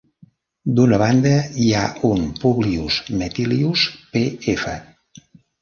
D'una banda hi ha un Publius Metilius P.f.